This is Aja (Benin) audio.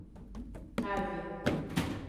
Kave.